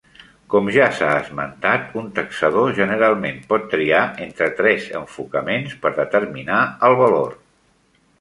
Com ja s'ha esmentat, un taxador generalment pot triar entre tres enfocaments per determinar el valor.